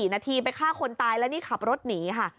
นาทีไปฆ่าคนตายแล้วนี่ขับรถหนีค่ะ